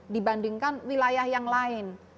dibandingkan wilayah yang lain